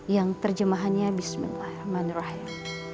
yang terjemahannya bismillahirrahmanirrahim